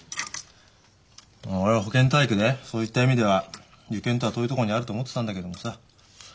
俺は保健体育でそういった意味では受験とは遠いところにあると思ってたんだけどもさ